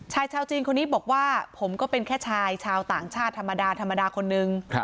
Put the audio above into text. ชายชาวจีนคนนี้บอกว่าผมก็เป็นแค่ชายชาวต่างชาติธรรมดาธรรมดาคนนึง